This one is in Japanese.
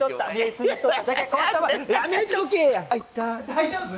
大丈夫？